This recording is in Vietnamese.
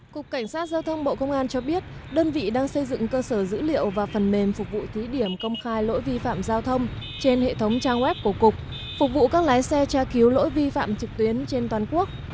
cục cảnh sát giao thông bộ công an cho biết đơn vị đang xây dựng cơ sở dữ liệu và phần mềm phục vụ thí điểm công khai lỗi vi phạm giao thông trên hệ thống trang web của cục phục vụ các lái xe tra cứu lỗi vi phạm trực tuyến trên toàn quốc